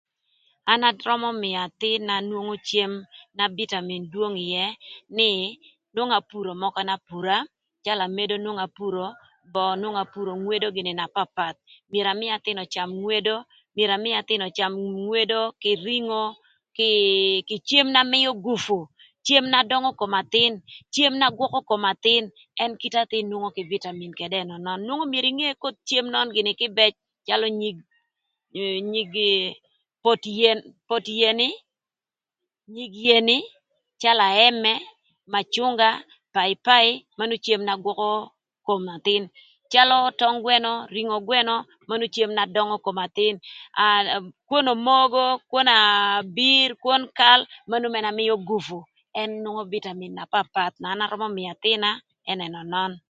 An arömö mïö athïn-na nwongo cem na bitamin dwong ïë nï nwongo apuro mökö apura calö amedo nwongo apuro, böö nwongo apuro, ngwedo gïnï na papath myero amïï athïn öcam ngwedo, myero amïï athïn öcam ngwedo kï ringo kï cem na mïö gupu, cem na döngö kom athïn, cem na gwökö kom athïn, ën kite athïn nwongo kï bitamin këdë ënönön nwongo myero inge koth cem nön gïnï kïbëc, calö nyig pot yen, nyig yen calö aëmë, macünga, paipai manu cem na gwökö kom athïn calö töng gwënö, ringo gwënö manu cem na döngö kom athïn aa kwon omogo kwon abir, kwon kal manu man mïö gupu nwongo bitamin na papath na arömö mïö athïn-na ën ënönön.